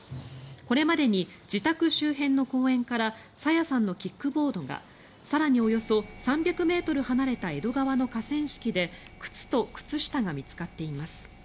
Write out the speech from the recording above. これまでに自宅周辺の公園から朝芽さんのキックボードが更に、およそ３００ｍ離れた江戸川の河川敷で靴と靴下が見つかっています。